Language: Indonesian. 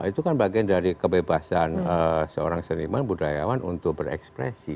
itu kan bagian dari kebebasan seorang seniman budayawan untuk berekspresi